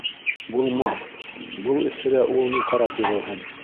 — Булмаҫ, был эҫелә ул ни ҡарап йөрөһөн.